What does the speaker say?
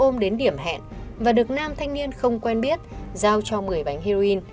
ôm đến điểm hẹn và được nam thanh niên không quen biết giao cho một mươi bánh heroin